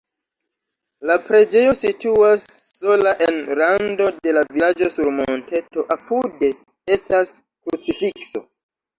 La preĝejo situas sola en rando de la vilaĝo sur monteto, apude estas krucifikso.